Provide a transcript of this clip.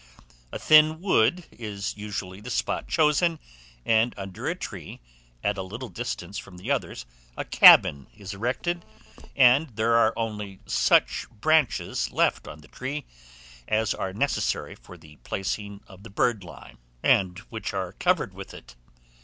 A thin wood is usually the spot chosen, and, under a tree at a little distance from the others, a cabin is erected, and there are only such branches left on the tree as are necessary for the placing of the birdlime, and which are covered with it.